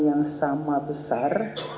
yang sama besar